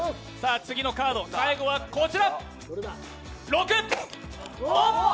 次のカード、最後はこちら、６。